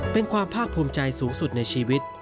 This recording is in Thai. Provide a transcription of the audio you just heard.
เป็นความภาคภูมิใจสูงสุดในชีวิต